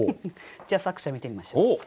じゃあ作者見てみましょう。